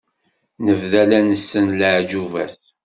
Nebda la nsel leԑğubat.